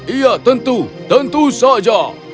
iya tentu saja